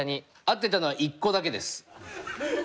合ってたのは１個だけです。